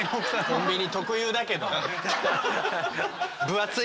コンビニ特有だけど。